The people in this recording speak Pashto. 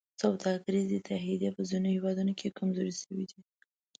سوداګریزې اتحادیې په ځینو هېوادونو کې کمزورې شوي دي